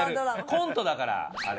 コントだからあれ。